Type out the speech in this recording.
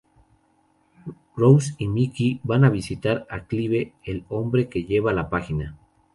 Rose y Mickey van a visitar a Clive, el hombre que lleva la página.